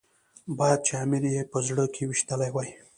باید چې امیر یې په زړه کې ويشتلی وای.